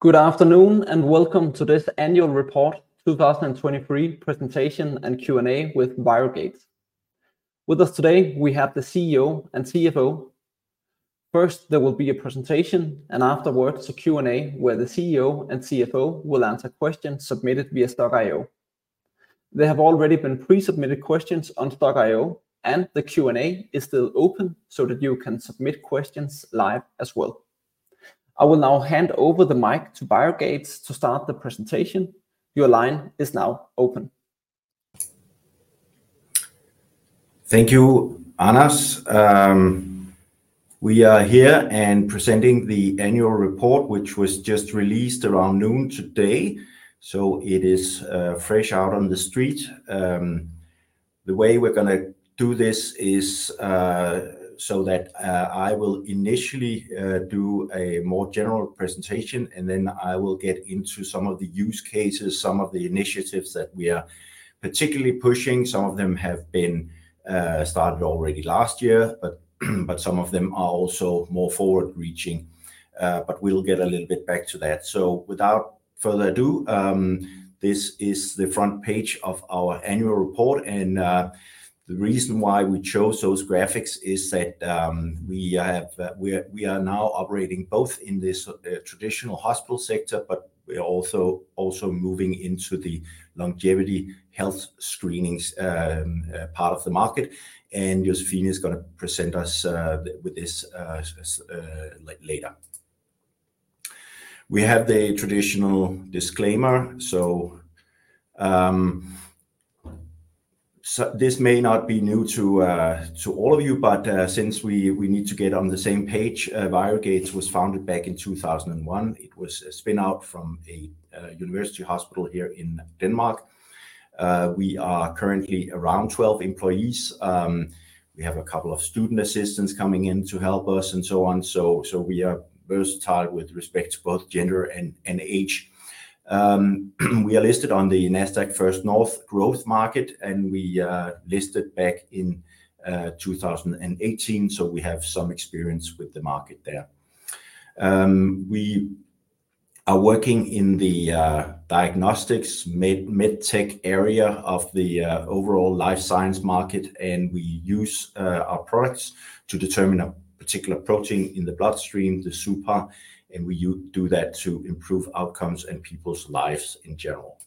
Good afternoon, and welcome to this annual report 2023 presentation and Q&A with ViroGates. With us today, we have the CEO and CFO. First, there will be a presentation, and afterwards, a Q&A, where the CEO and CFO will answer questions submitted via Stokk.io. There have already been pre-submitted questions on Stokk.io, and the Q&A is still open so that you can submit questions live as well. I will now hand over the mic to ViroGates to start the presentation. Your line is now open. Thank you, Anders. We are here and presenting the annual report, which was just released around noon today, so it is fresh out on the street. The way we're gonna do this is so that I will initially do a more general presentation, and then I will get into some of the use cases, some of the initiatives that we are particularly pushing. Some of them have been started already last year, but some of them are also more forward-reaching. But we'll get a little bit back to that. So without further ado, this is the front page of our annual report, and the reason why we chose those graphics is that we have... We are now operating both in this traditional hospital sector, but we are also moving into the longevity health screenings part of the market, and Josephine is gonna present us with this later. We have the traditional disclaimer, so this may not be new to all of you, but since we need to get on the same page, ViroGates was founded back in 2001. It was a spin-out from a university hospital here in Denmark. We are currently around 12 employees. We have a couple of student assistants coming in to help us and so on. So we are versatile with respect to both gender and age. We are listed on the Nasdaq First North Growth Market, and we listed back in 2018, so we have some experience with the market there. We are working in the diagnostics med tech area of the overall life science market, and we use our products to determine a particular protein in the bloodstream, the suPAR, and we do that to improve outcomes and people's lives in general.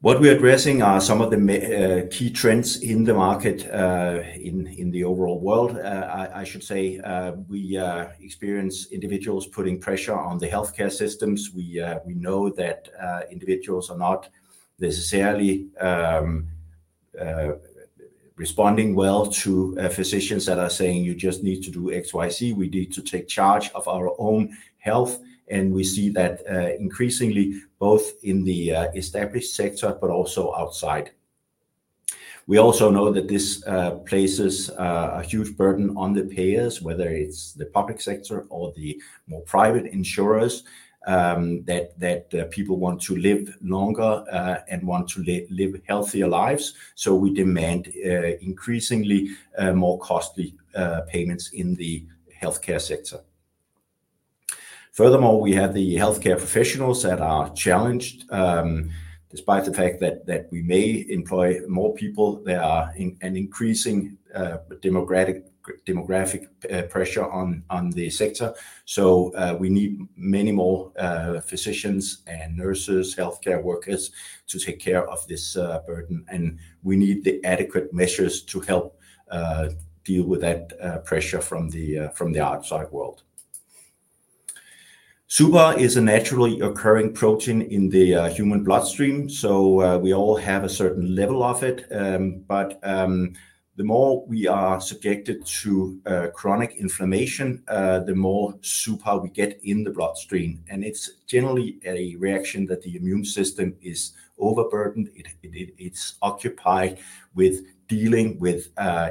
What we're addressing are some of the key trends in the market, in the overall world. I should say, we experience individuals putting pressure on the healthcare systems. We know that individuals are not necessarily responding well to physicians that are saying, "You just need to do XYZ." We need to take charge of our own health, and we see that increasingly both in the established sector, but also outside. We also know that this places a huge burden on the payers, whether it's the public sector or the more private insurers, that people want to live longer and want to live healthier lives. So we demand increasingly more costly payments in the healthcare sector. Furthermore, we have the healthcare professionals that are challenged. Despite the fact that we may employ more people, there are an increasing demographic pressure on the sector. So, we need many more, physicians and nurses, healthcare workers, to take care of this, burden, and we need the adequate measures to help, deal with that, pressure from the, from the outside world. suPAR is a naturally occurring protein in the, human bloodstream, so, we all have a certain level of it. But, the more we are subjected to, chronic inflammation, the more suPAR we get in the bloodstream, and it's generally a reaction that the immune system is overburdened. It's occupied with dealing with,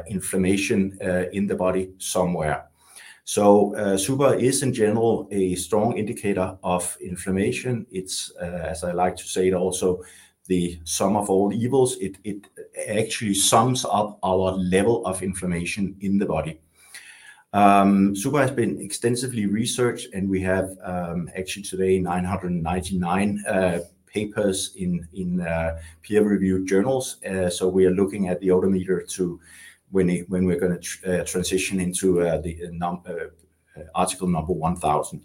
inflammation, in the body somewhere. So, suPAR is, in general, a strong indicator of inflammation. It's, as I like to say it also, the sum of all evils. It actually sums up our level of inflammation in the body. suPAR has been extensively researched, and we have, actually today, 999 papers in peer-reviewed journals. So we are looking at the odometer to when we're gonna transition into the article number 1000.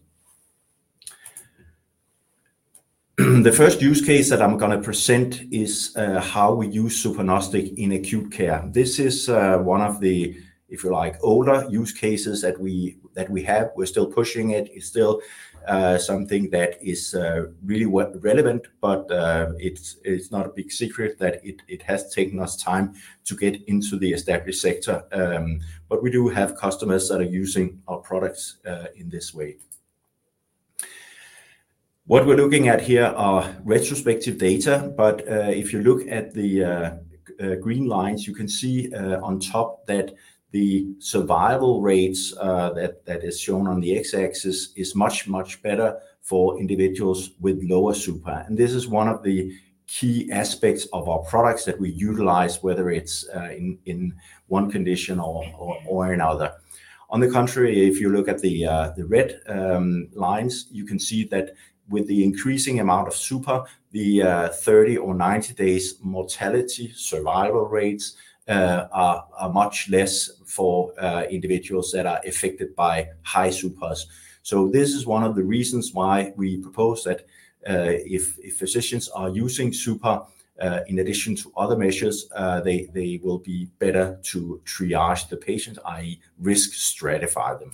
The first use case that I'm gonna present is how we use suPARnostic in acute care. This is one of the, if you like, older use cases that we have. We're still pushing it. It's still something that is really relevant, but it's not a big secret that it has taken us time to get into the established sector. But we do have customers that are using our products in this way. What we're looking at here are retrospective data, but if you look at the green lines, you can see on top that the survival rates that is shown on the x-axis is much, much better for individuals with lower suPAR. And this is one of the key aspects of our products that we utilize, whether it's in one condition or another. On the contrary, if you look at the red lines, you can see that with the increasing amount of suPAR, the 30 or 90 days mortality survival rates are much less for individuals that are affected by high suPARs. So this is one of the reasons why we propose that, if, if physicians are using suPAR, in addition to other measures, they, they will be better to triage the patient, i.e., risk stratify them.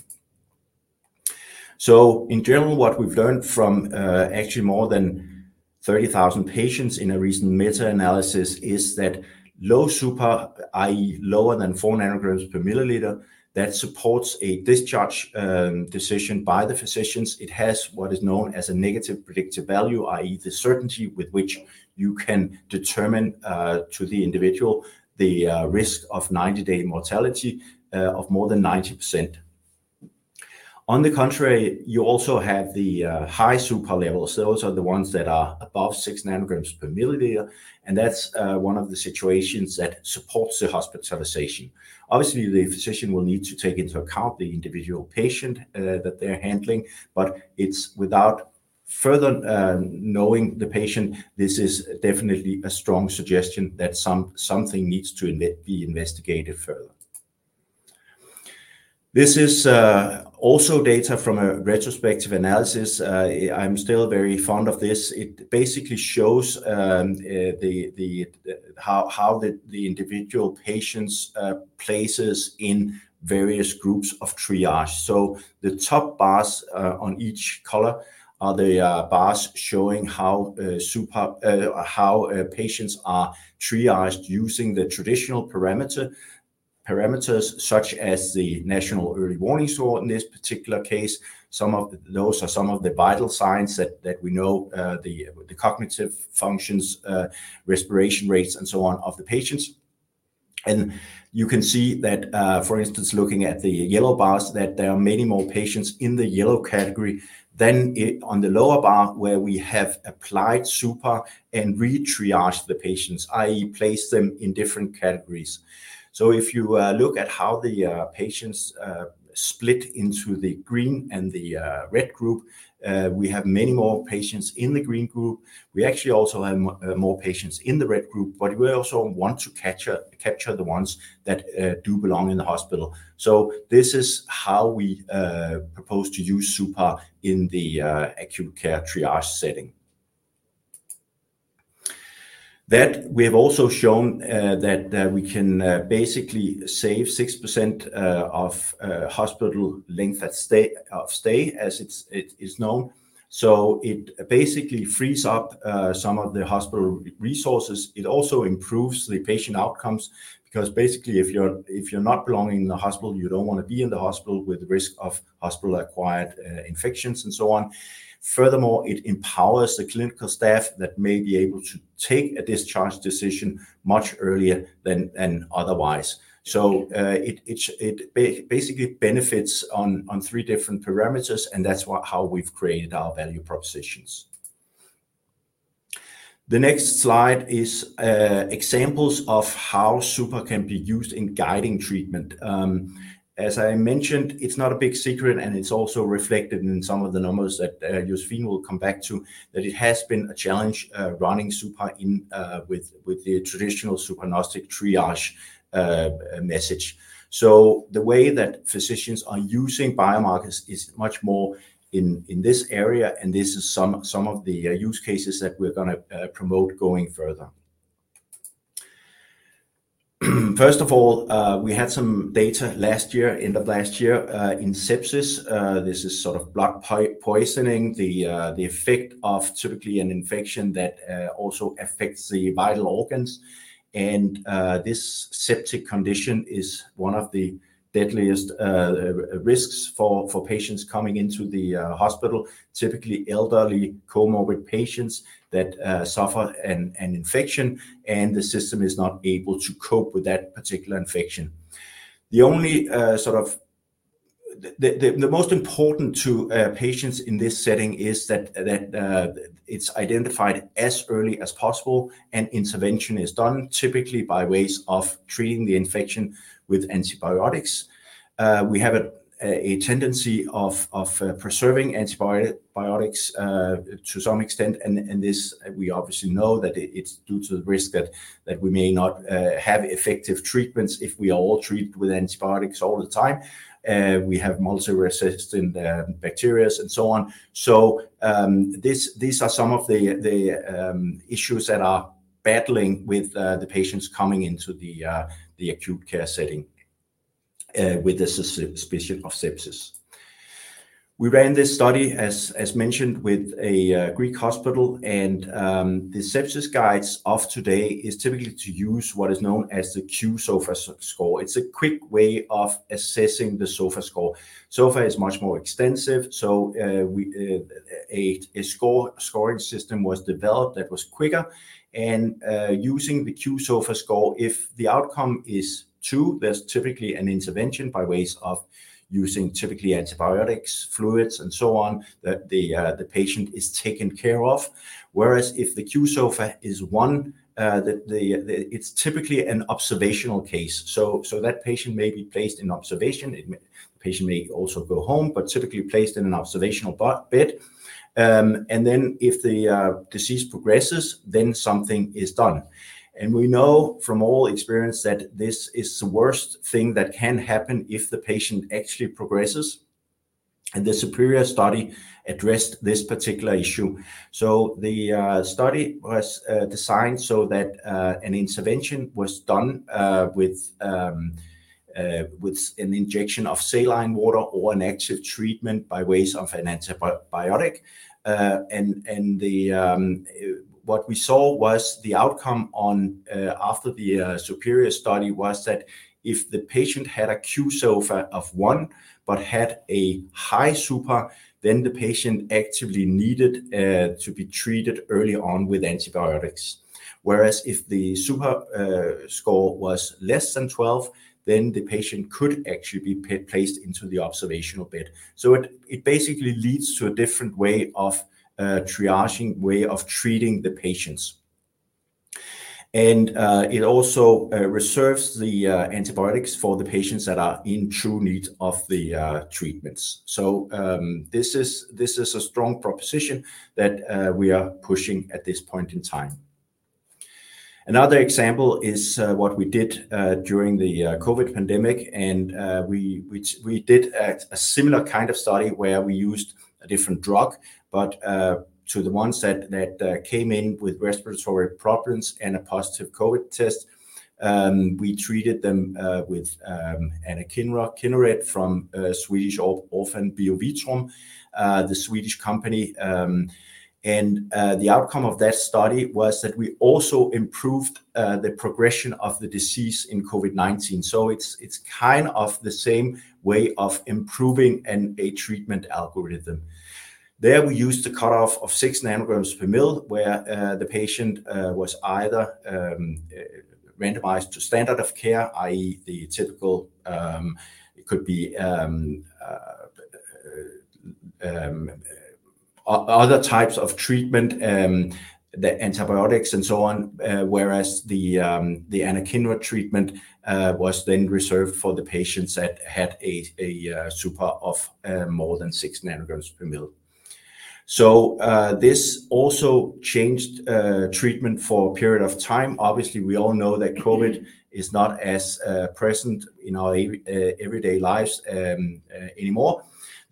So in general, what we've learned from, actually more than 30,000 patients in a recent meta-analysis is that low suPAR, i.e., lower than 4 nanograms per milliliter, that supports a discharge, decision by the physicians. It has what is known as a negative predictive value, i.e., the certainty with which you can determine, to the individual, the, risk of 90-day mortality, of more than 90%. On the contrary, you also have the, high suPAR levels. Those are the ones that are above ng/mL, and that's, one of the situations that supports the hospitalization. Obviously, the physician will need to take into account the individual patient that they're handling, but it's without further knowing the patient, this is definitely a strong suggestion that something needs to be investigated further. This is also data from a retrospective analysis. I'm still very fond of this. It basically shows how the individual patient's places in various groups of triage. So the top bars on each color are the bars showing how suPAR how patients are triaged using the traditional parameters such as the National Early Warning Score in this particular case. Some of those are some of the vital signs that we know the cognitive functions, respiration rates, and so on, of the patients. And you can see that, for instance, looking at the yellow bars, that there are many more patients in the yellow category than on the lower bar, where we have applied suPAR and re-triaged the patients, i.e., placed them in different categories. So if you look at how the patients split into the green and the red group, we have many more patients in the green group. We actually also have more patients in the red group, but we also want to capture the ones that do belong in the hospital. So this is how we propose to use suPAR in the acute care triage setting. That we have also shown that we can basically save 6% of hospital length of stay, as it is known. So it basically frees up some of the hospital resources. It also improves the patient outcomes, because basically, if you're, if you're not belonging in the hospital, you don't want to be in the hospital with the risk of hospital-acquired infections and so on. Furthermore, it empowers the clinical staff that may be able to take a discharge decision much earlier than otherwise. So it basically benefits on three different parameters, and that's what, how we've created our value propositions. The next slide is examples of how suPAR can be used in guiding treatment. As I mentioned, it's not a big secret, and it's also reflected in some of the numbers that Josephine will come back to, that it has been a challenge running suPAR in with the traditional suPARnostic Quick Triage message. So the way that physicians are using biomarkers is much more in this area, and this is some of the use cases that we're gonna promote going further. First of all, we had some data last year, end of last year, in sepsis. This is sort of blood poisoning, the effect of typically an infection that also affects the vital organs. And this septic condition is one of the deadliest risks for patients coming into the hospital, typically elderly comorbid patients that suffer an infection, and the system is not able to cope with that particular infection. The only sort of... The most important to patients in this setting is that it's identified as early as possible, and intervention is done, typically by ways of treating the infection with antibiotics. We have a tendency of preserving antibiotics to some extent, and this, we obviously know that it's due to the risk that we may not have effective treatments if we are all treated with antibiotics all the time. We have multi-resistant bacteria and so on. So, this, these are some of the issues that are battling with the patients coming into the acute care setting with the suspicion of sepsis. We ran this study as mentioned, with a Greek hospital, and the sepsis guidelines of today is typically to use what is known as the qSOFA score. It's a quick way of assessing the SOFA score. SOFA is much more extensive, so a scoring system was developed that was quicker and using the qSOFA score, if the outcome is two, there's typically an intervention by ways of using typically antibiotics, fluids, and so on, that the patient is taken care of. Whereas if the qSOFA is one, it's typically an observational case. So that patient may be placed in observation. The patient may also go home, but typically placed in an observational bed. And then if the disease progresses, then something is done. We know from all experience that this is the worst thing that can happen if the patient actually progresses, and the SUPERIOR study addressed this particular issue. So the study was designed so that an intervention was done with an injection of saline water or an active treatment by way of an antibiotic. And what we saw was the outcome after the SUPERIOR study was that if the patient had a qSOFA of one but had a high suPAR, then the patient actually needed to be treated early on with antibiotics. Whereas if the suPAR score was less than 12, then the patient could actually be placed into the observational bed. So it basically leads to a different way of triaging, way of treating the patients. And it also reserves the antibiotics for the patients that are in true need of the treatments. So this is a strong proposition that we are pushing at this point in time. Another example is what we did during the COVID pandemic, and which we did a similar kind of study where we used a different drug, but to the ones that came in with respiratory problems and a positive COVID test, we treated them with anakinra, Kineret from Swedish Orphan Biovitrum, the Swedish company. And the outcome of that study was that we also improved the progression of the disease in COVID-19. So it's kind of the same way of improving a treatment algorithm. There, we used a cutoff of 6 ng/mL, where the patient was either randomized to standard of care, i.e. the typical. It could be other types of treatment, the antibiotics and so on. Whereas the anakinra treatment was then reserved for the patients that had a suPAR of more than 6 ng/mL. So this also changed treatment for a period of time. Obviously, we all know that COVID is not as present in our everyday lives anymore.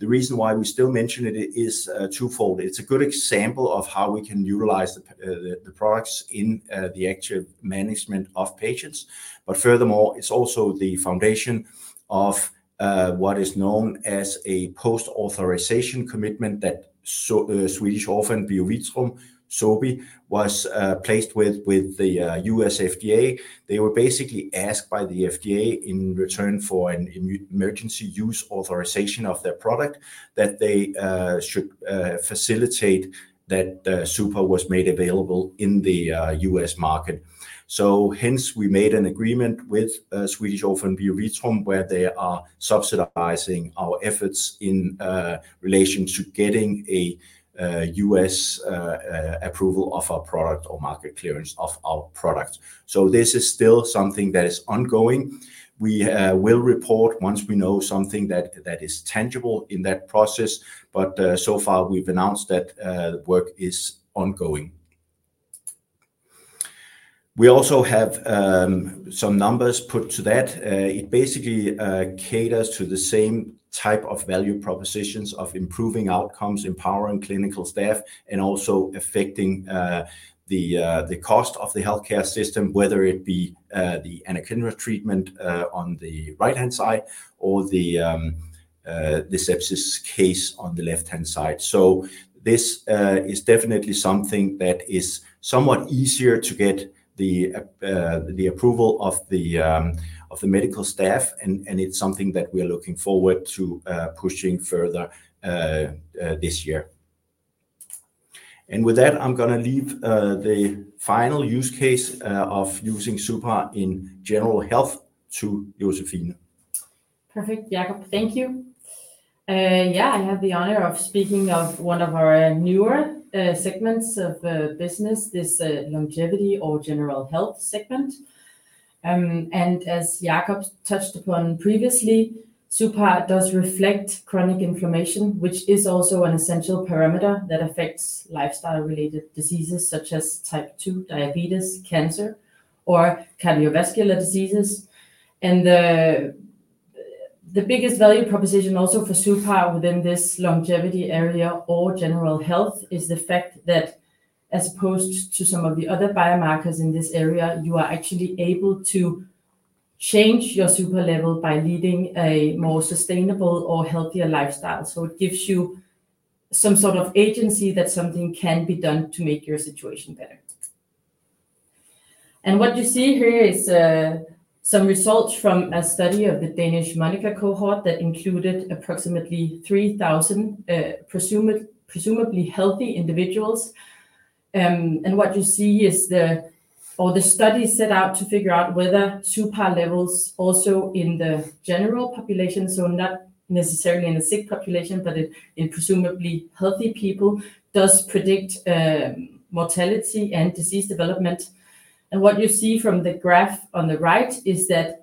The reason why we still mention it is twofold. It's a good example of how we can utilize the products in the actual management of patients. But furthermore, it's also the foundation of what is known as a post-authorization commitment that Swedish Orphan Biovitrum, Sobi, was placed with the U.S. FDA. They were basically asked by the FDA, in return for an emergency use authorization of their product, that they should facilitate that suPAR was made available in the U.S. market. So hence, we made an agreement with Swedish Orphan Biovitrum, where they are subsidizing our efforts in relation to getting a U.S. approval of our product or market clearance of our product. So this is still something that is ongoing. We will report once we know something that is tangible in that process, but so far, we've announced that work is ongoing. We also have some numbers put to that. It basically caters to the same type of value propositions of improving outcomes, empowering clinical staff, and also affecting the cost of the healthcare system, whether it be the anakinra treatment on the right-hand side or the sepsis case on the left-hand side. So this is definitely something that is somewhat easier to get the approval of the medical staff, and it's something that we are looking forward to pushing further this year. And with that, I'm gonna leave the final use case of using suPAR in general health to Josephine. Perfect, Jakob. Thank you. Yeah, I have the honor of speaking of one of our newer segments of business, this longevity or general health segment. And as Jakob touched upon previously, suPAR does reflect chronic inflammation, which is also an essential parameter that affects lifestyle-related diseases such as type 2 diabetes, cancer, or cardiovascular diseases. The biggest value proposition also for suPAR within this longevity area or general health is the fact that as opposed to some of the other biomarkers in this area, you are actually able to change your suPAR level by leading a more sustainable or healthier lifestyle. So it gives you some sort of agency that something can be done to make your situation better. What you see here is some results from a study of the Danish MONICA Cohort that included approximately 3,000 presumably healthy individuals. Or the study set out to figure out whether suPAR levels also in the general population, so not necessarily in a sick population, but in presumably healthy people, does predict mortality and disease development. And what you see from the graph on the right is that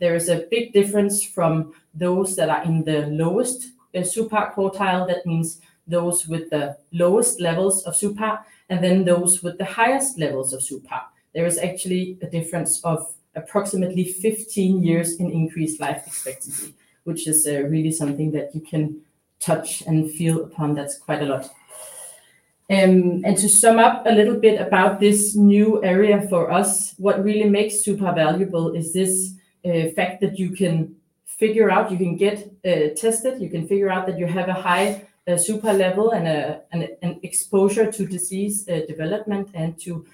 there is a big difference from those that are in the lowest suPAR quartile. That means those with the lowest levels of suPAR and then those with the highest levels of suPAR. There is actually a difference of approximately 15 years in increased life expectancy, which is really something that you can touch and feel upon. That's quite a lot. And to sum up a little bit about this new area for us, what really makes suPAR valuable is this fact that you can figure out, you can get tested, you can figure out that you have a high suPAR level and a, and an exposure to disease development and to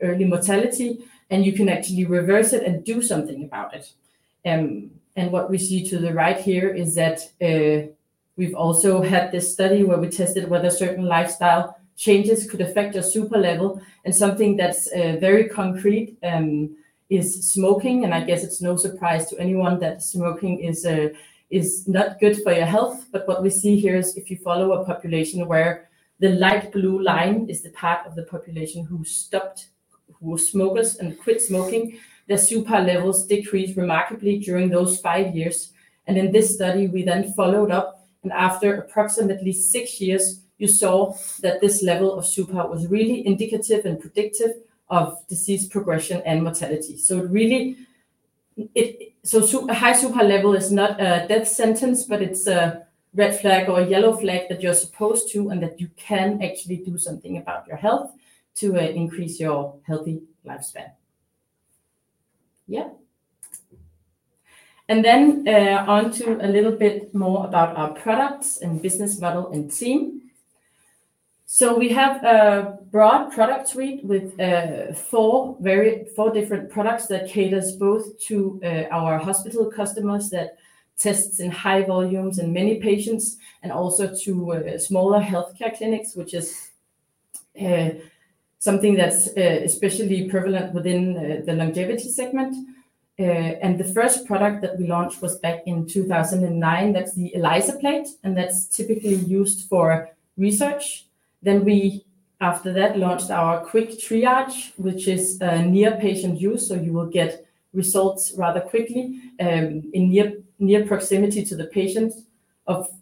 early mortality, and you can actually reverse it and do something about it. And what we see to the right here is that we've also had this study where we tested whether certain lifestyle changes could affect your suPAR level. And something that's very concrete is smoking. And I guess it's no surprise to anyone that smoking is not good for your health. But what we see here is if you follow a population where the light blue line is the part of the population who stopped, who were smokers and quit smoking, their suPAR levels decreased remarkably during those five years. And in this study, we then followed up, and after approximately six years, you saw that this level of suPAR was really indicative and predictive of disease progression and mortality. So it really, a high suPAR level is not a death sentence, but it's a red flag or a yellow flag that you're supposed to, and that you can actually do something about your health to increase your healthy lifespan. Yeah. And then on to a little bit more about our products and business model and team. So we have a broad product suite with four very... four different products that caters both to our hospital customers that tests in high volumes and many patients, and also to smaller healthcare clinics, which is something that's especially prevalent within the longevity segment. And the first product that we launched was back in 2009. That's the ELISA plate, and that's typically used for research. Then we, after that, launched our Quick Triage, which is near patient use, so you will get results rather quickly in near proximity to the patient.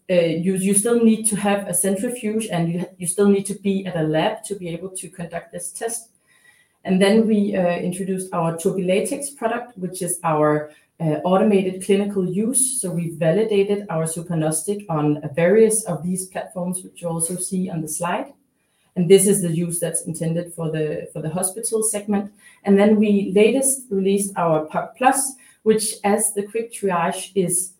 You still need to have a centrifuge, and you still need to be at a lab to be able to conduct this test. And then we introduced our TurbiLatex product, which is our automated clinical use. So we validated our suPARnostic on various of these platforms, which you also see on the slide. This is the use that's intended for the hospital segment. Then we lately released our POC+, which, as the quick triage, is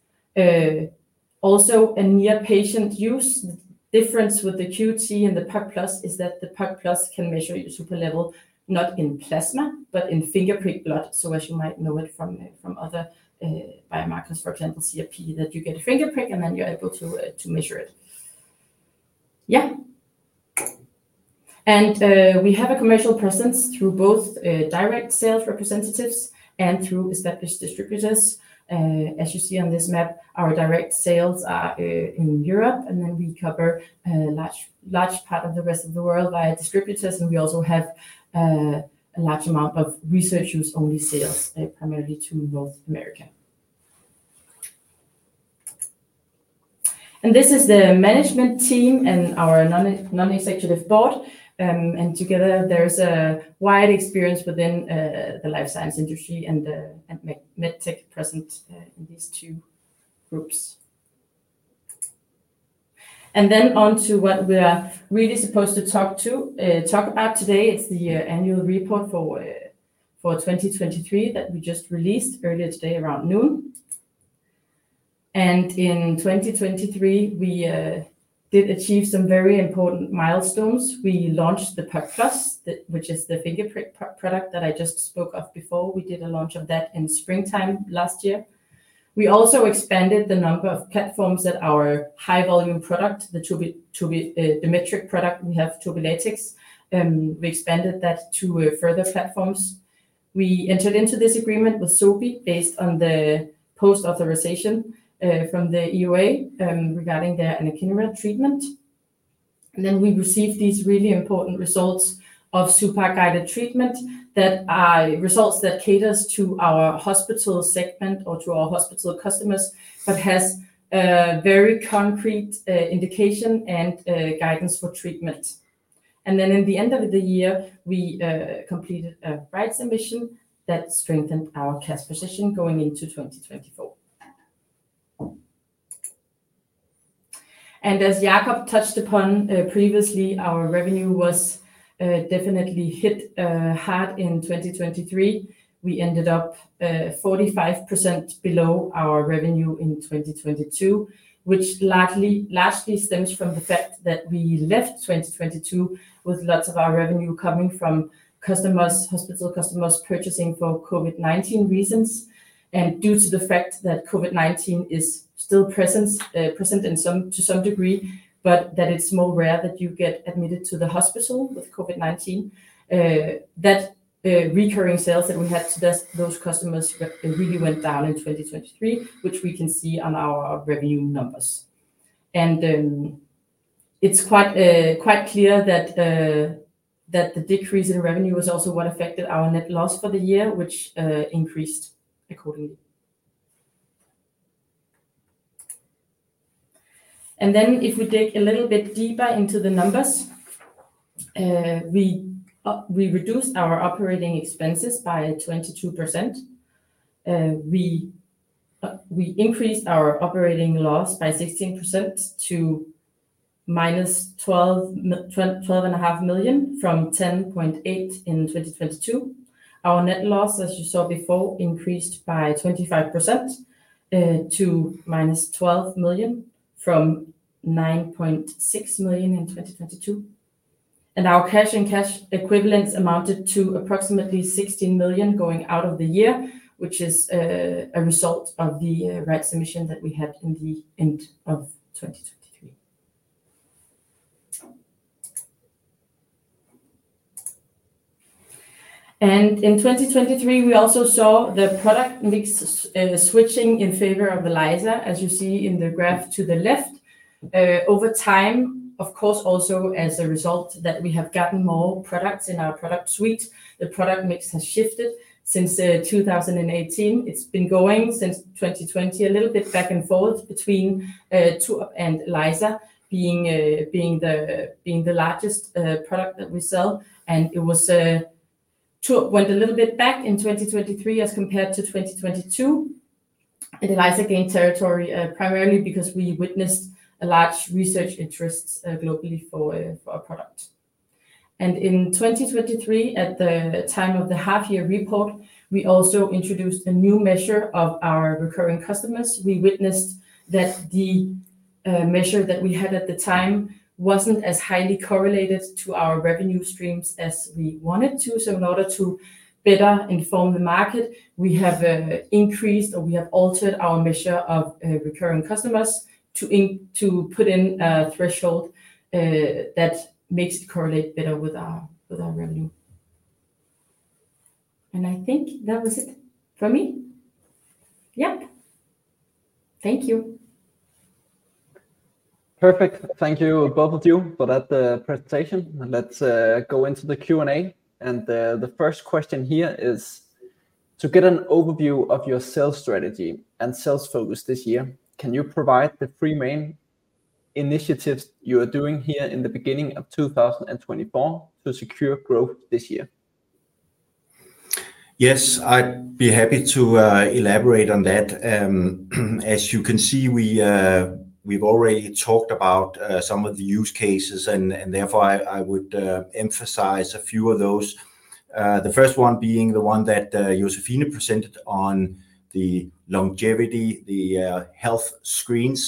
also a near patient use. Difference with the QT and the POC+ is that the POC+ can measure your suPAR level, not in plasma, but in finger prick blood. So as you might know it from other biomarkers, for example, CRP, that you get a finger prick, and then you're able to measure it. Yeah. And we have a commercial presence through both direct sales representatives and through established distributors. As you see on this map, our direct sales are in Europe, and then we cover a large, large part of the rest of the world via distributors. And we also have a large amount of research-use-only sales, primarily to North America. And this is the management team and our non-executive board. And together, there's a wide experience within the life science industry and the medtech presence in these two groups. And then on to what we are really supposed to talk about today. It's the annual report for 2023 that we just released earlier today around noon. And in 2023, we did achieve some very important milestones. We launched the POC+, which is the finger-prick product that I just spoke of before. We did a launch of that in springtime last year. We also expanded the number of platforms that our high-volume product, the TurbiLatex, the metric product, we have TurbiLatex. We expanded that to further platforms. We entered into this agreement with Sobi based on the post-authorization from the EUA regarding their Anakinra treatment. And then we received these really important results of suPAR-guided treatment that are results that caters to our hospital segment or to our hospital customers, but has a very concrete indication and guidance for treatment, and then at the end of the year, we completed a rights emission that strengthened our cash position going into 2024. And as Jakob touched upon previously, our revenue was definitely hit hard in 2023. We ended up 45% below our revenue in 2022, which largely stems from the fact that we left 2022 with lots of our revenue coming from customers, hospital customers, purchasing for COVID-19 reasons. And due to the fact that COVID-19 is still present to some degree, but that it's more rare that you get admitted to the hospital with COVID-19. That recurring sales that we had to those customers really went down in 2023, which we can see on our revenue numbers. And it's quite clear that the decrease in revenue was also what affected our net loss for the year, which increased accordingly. And then if we dig a little bit deeper into the numbers, we reduced our operating expenses by 22%. We, we increased our operating loss by 16% to -12.5 million, from 10.8 million in 2022. Our net loss, as you saw before, increased by 25%, to -12 million, from 9.6 million in 2022. Our cash and cash equivalents amounted to approximately 16 million going out of the year, which is a result of the rights emission that we had in the end of 2023. In 2023, we also saw the product mix switching in favor of ELISA, as you see in the graph to the left. Over time, of course, also as a result that we have gotten more products in our product suite, the product mix has shifted since 2018. It's been going since 2020, a little bit back and forth between TurbiLatex and ELISA being the largest product that we sell. And it was TurbiLatex went a little bit back in 2023 as compared to 2022, and ELISA gained territory primarily because we witnessed a large research interest globally for our product. And in 2023, at the time of the half-year report, we also introduced a new measure of our recurring customers. We witnessed that the measure that we had at the time wasn't as highly correlated to our revenue streams as we wanted to. So in order to better inform the market, we have increased or we have altered our measure of recurring customers to put in a threshold that makes it correlate better with our, with our revenue. And I think that was it for me. Yep. Thank you. Perfect. Thank you, both of you, for that presentation. Let's go into the Q&A. The first question here is: To get an overview of your sales strategy and sales focus this year, can you provide the three main initiatives you are doing here in the beginning of 2024 to secure growth this year? Yes, I'd be happy to elaborate on that. As you can see, we've already talked about some of the use cases, and therefore, I would emphasize a few of those. The first one being the one that Josephine presented on the longevity, the health screens.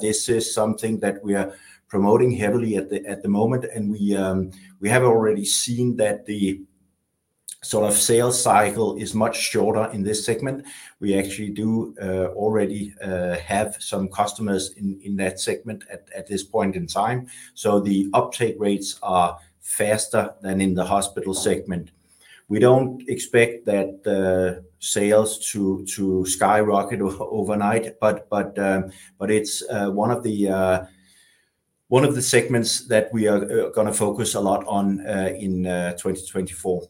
This is something that we are promoting heavily at the moment, and we have already seen that the sort of sales cycle is much shorter in this segment. We actually do already have some customers in that segment at this point in time. So the uptake rates are faster than in the hospital segment. We don't expect that the sales to skyrocket overnight, but it's one of the segments that we are gonna focus a lot on in 2024.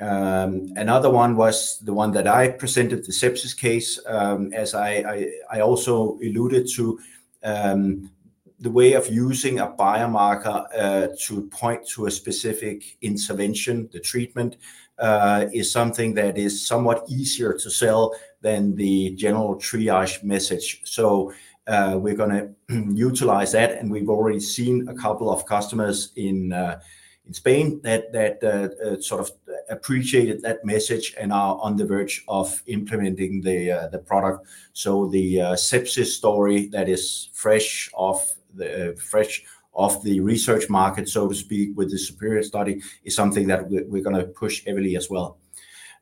Another one was the one that I presented, the sepsis case. As I also alluded to, the way of using a biomarker to point to a specific intervention, the treatment, is something that is somewhat easier to sell than the general triage message. So, we're gonna utilize that, and we've already seen a couple of customers in Spain that sort of appreciated that message and are on the verge of implementing the product. So the sepsis story that is fresh off the research market, so to speak, with the SUPERIOR study, is something that we're gonna push heavily as well.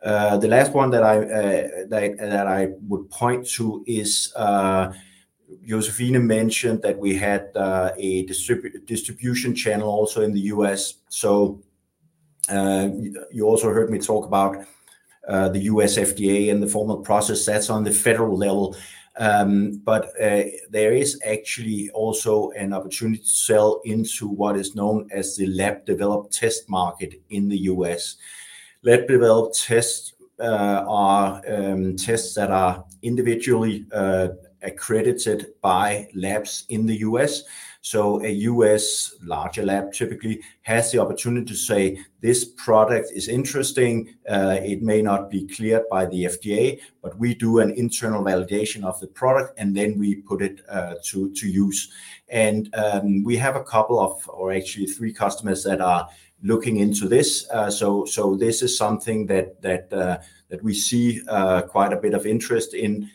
The last one that I would point to is, Josephine mentioned that we had a distribution channel also in the U.S. You also heard me talk about the U.S. FDA and the formal process that's on the federal level. But there is actually also an opportunity to sell into what is known as the lab-developed test market in the U.S. Lab-developed tests are tests that are individually accredited by labs in the U.S. So a U.S. larger lab typically has the opportunity to say, "This product is interesting. It may not be cleared by the FDA, but we do an internal validation of the product, and then we put it to use." And we have a couple of, or actually three customers that are looking into this. So this is something that we see quite a bit of interest in.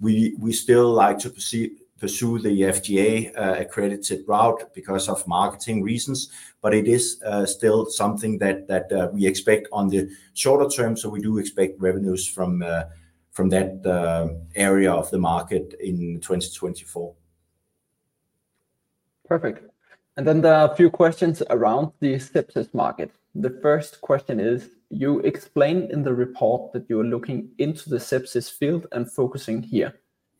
We still like to pursue the FDA accredited route because of marketing reasons, but it is still something that we expect on the shorter term. So we do expect revenues from that area of the market in 2024. Perfect. Then there are a few questions around the sepsis market. The first question is, you explained in the report that you are looking into the sepsis field and focusing here.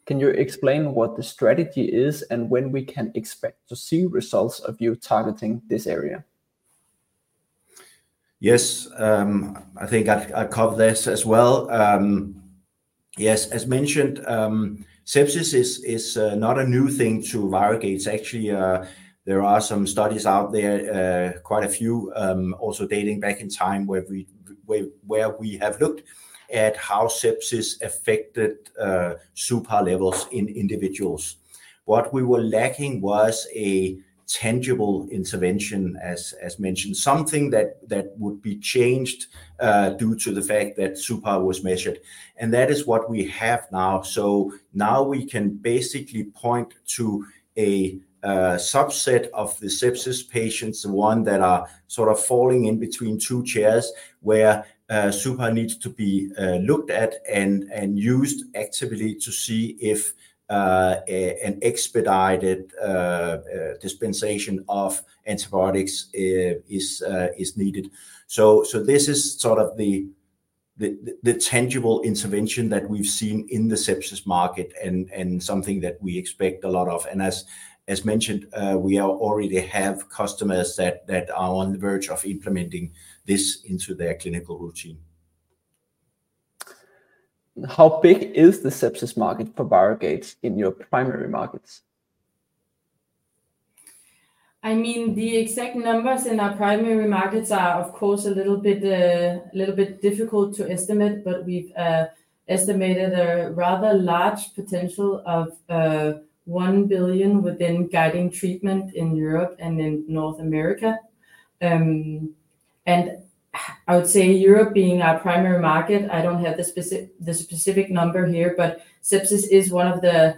Can you explain what the strategy is, and when we can expect to see results of you targeting this area? Yes. I think I covered this as well. Yes, as mentioned, sepsis is not a new thing to ViroGates. It's actually... There are some studies out there, quite a few, also dating back in time, where we have looked at how sepsis affected suPAR levels in individuals. What we were lacking was a tangible intervention, as mentioned, something that would be changed due to the fact that suPAR was measured, and that is what we have now. So now we can basically point to a subset of the sepsis patients, the one that are sort of falling in between two chairs, where suPAR needs to be looked at and used actively to see if an expedited dispensation of antibiotics is needed. So this is sort of the tangible intervention that we've seen in the sepsis market and something that we expect a lot of. As mentioned, we already have customers that are on the verge of implementing this into their clinical routine. How big is the sepsis market for ViroGates in your primary markets? I mean, the exact numbers in our primary markets are, of course, a little bit difficult to estimate, but we've estimated a rather large potential of 1 billion within guiding treatment in Europe and in North America. And I would say Europe being our primary market, I don't have the specific number here, but sepsis is one of the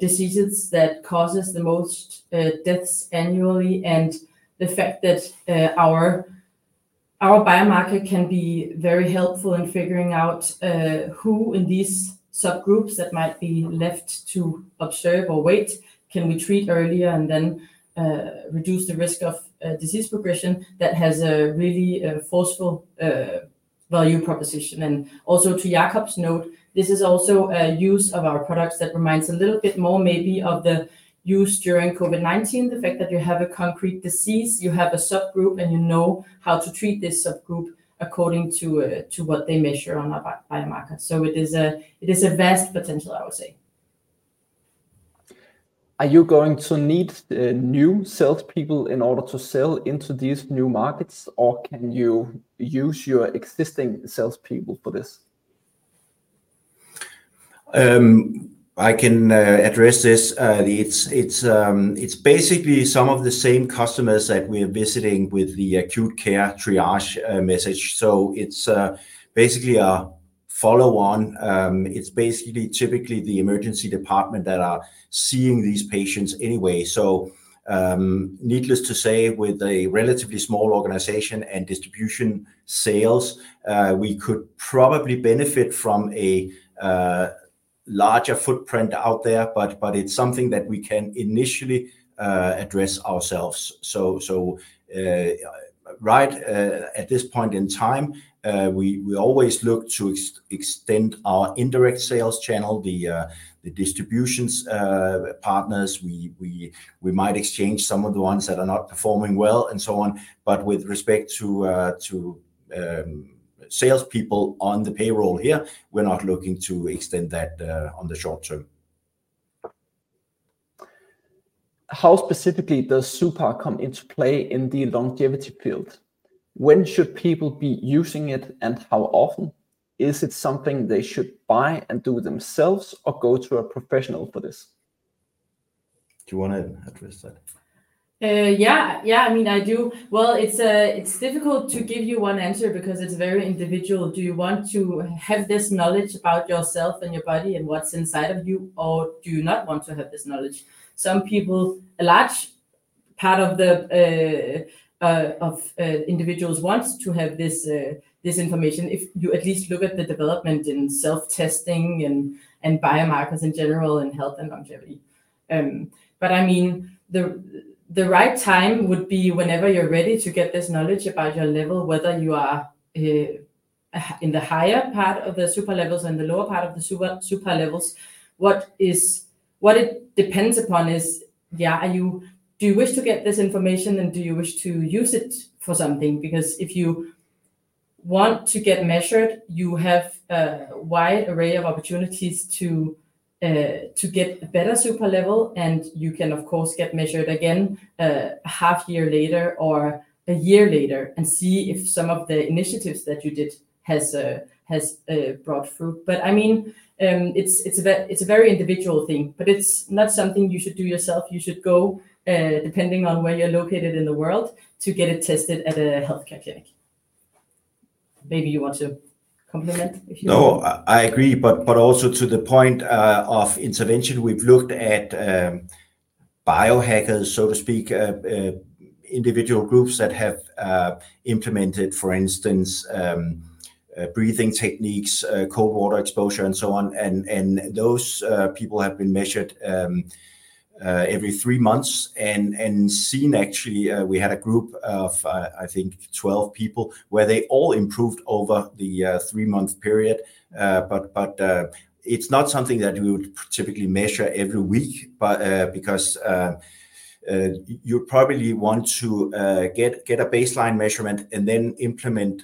diseases that causes the most deaths annually. And the fact that our biomarker can be very helpful in figuring out who in these subgroups that might be left to observe or wait, can we treat earlier and then reduce the risk of disease progression, that has a really forceful value proposition. And also, to Jakob's note, this is also a use of our products that reminds a little bit more maybe of the use during COVID-19. The fact that you have a concrete disease, you have a subgroup, and you know how to treat this subgroup according to what they measure on our biomarker. So it is a vast potential, I would say. Are you going to need new salespeople in order to sell into these new markets, or can you use your existing salespeople for this? I can address this. It's basically some of the same customers that we are visiting with the acute care triage message. So it's basically a follow-on. It's basically typically the emergency department that are seeing these patients anyway. So, needless to say, with a relatively small organization and distribution sales, we could probably benefit from a larger footprint out there, but it's something that we can initially address ourselves. So at this point in time, we always look to extend our indirect sales channel, the distributions partners. We might exchange some of the ones that are not performing well and so on. With respect to salespeople on the payroll here, we're not looking to extend that on the short term. How specifically does suPAR come into play in the longevity field? When should people be using it, and how often? Is it something they should buy and do themselves or go to a professional for this? Do you want to address that? Yeah. Yeah, I mean, I do. Well, it's difficult to give you one answer because it's very individual. Do you want to have this knowledge about yourself and your body and what's inside of you, or do you not want to have this knowledge? Some people, a large part of the individuals want to have this information. If you at least look at the development in self-testing and biomarkers in general, and health, and longevity.... But I mean, the right time would be whenever you're ready to get this knowledge about your level, whether you are in the higher part of the suPAR levels and the lower part of the suPAR levels. What it depends upon is, yeah, do you wish to get this information, and do you wish to use it for something? Because if you want to get measured, you have a wide array of opportunities to get a better suPAR level, and you can, of course, get measured again, half year later or a year later and see if some of the initiatives that you did has brought fruit. But I mean, it's a very individual thing, but it's not something you should do yourself. You should go, depending on where you're located in the world, to get it tested at a healthcare clinic. Maybe you want to complement if you- No, I agree. But also to the point of intervention, we've looked at biohackers, so to speak, individual groups that have implemented, for instance, breathing techniques, cold water exposure, and so on. And those people have been measured every three months and seen actually, we had a group of, I think 12 people, where they all improved over the three-month period. But it's not something that we would typically measure every week, but because you probably want to get a baseline measurement and then implement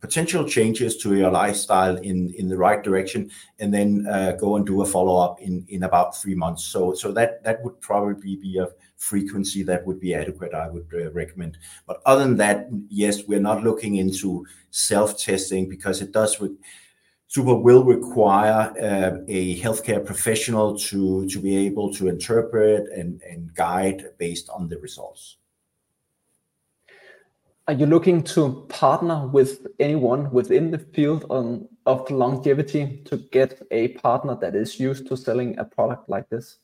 potential changes to your lifestyle in the right direction, and then go and do a follow-up in about three months. So that would probably be a frequency that would be adequate, I would recommend. But other than that, yes, we're not looking into self-testing because it does require suPAR will require a healthcare professional to be able to interpret and guide based on the results. Are you looking to partner with anyone within the field of longevity to get a partner that is used to selling a product like this?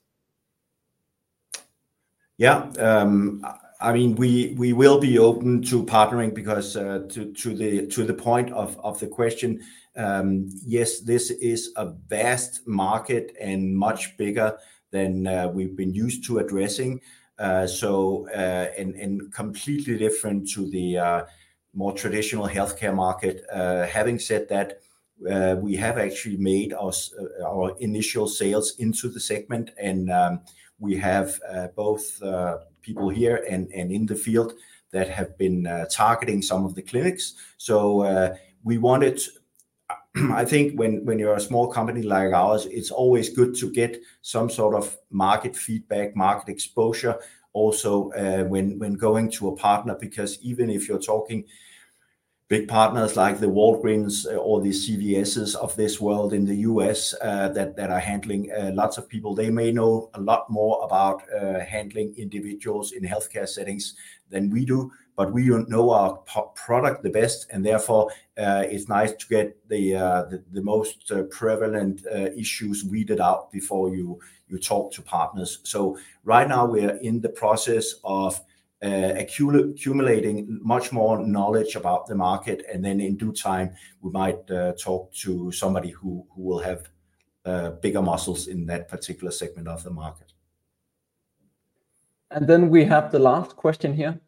Yeah. I mean, we will be open to partnering because to the point of the question, yes, this is a vast market and much bigger than we've been used to addressing. So, and completely different to the more traditional healthcare market. Having said that, we have actually made our initial sales into the segment, and we have both people here and in the field that have been targeting some of the clinics. So, we wanted... I think when you're a small company like ours, it's always good to get some sort of market feedback, market exposure, also, when going to a partner, because even if you're talking big partners like the Walgreens or the CVS's of this world in the US, that are handling lots of people, they may know a lot more about handling individuals in healthcare settings than we do. But we know our product the best, and therefore, it's nice to get the most prevalent issues weeded out before you talk to partners. So right now, we are in the process of accumulating much more knowledge about the market, and then in due time, we might talk to somebody who will have bigger muscles in that particular segment of the market. And then we have the last question here.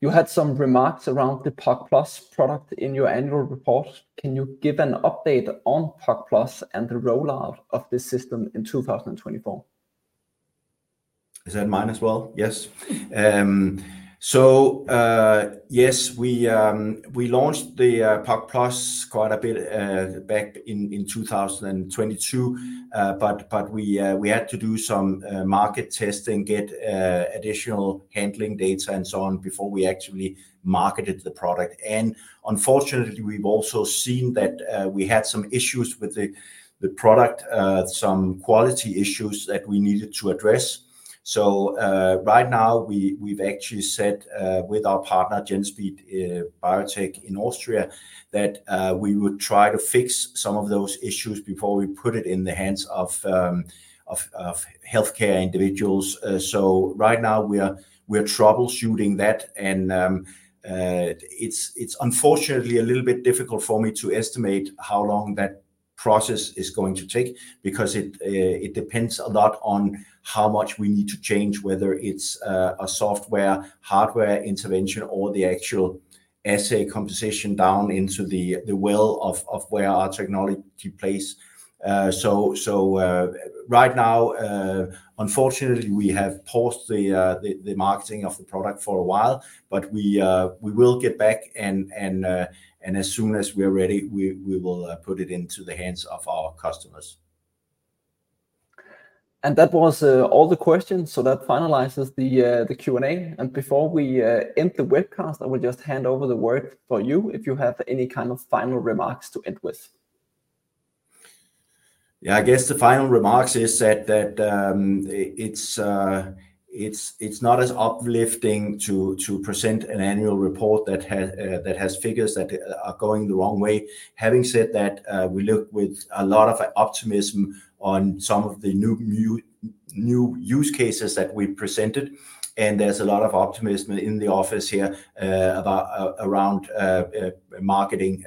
You had some remarks around the POC+ product in your annual report. Can you give an update on POC+ and the rollout of this system in 2024? Is that mine as well? Yes. So, yes, we launched the POC+ quite a bit back in 2022. But we had to do some market testing, get additional handling data and so on before we actually marketed the product. And unfortunately, we've also seen that we had some issues with the product, some quality issues that we needed to address. So, right now, we've actually said with our partner, Genspeed Biotech in Austria, that we would try to fix some of those issues before we put it in the hands of healthcare individuals. So right now we are troubleshooting that, and it's unfortunately a little bit difficult for me to estimate how long that process is going to take because it depends a lot on how much we need to change, whether it's a software, hardware intervention, or the actual assay composition down into the well of where our technology plays. So right now, unfortunately, we have paused the marketing of the product for a while, but we will get back and as soon as we are ready, we will put it into the hands of our customers. That was all the questions. So that finalizes the Q&A. And before we end the webcast, I will just hand over the word for you, if you have any kind of final remarks to end with. Yeah, I guess the final remarks is that it's not as uplifting to present an annual report that has figures that are going the wrong way. Having said that, we look with a lot of optimism on some of the new use cases that we presented, and there's a lot of optimism in the office here around marketing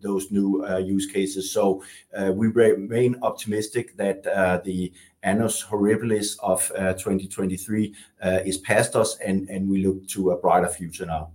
those new use cases. So, we remain optimistic that the annus horribilis of 2023 is past us, and we look to a brighter future now.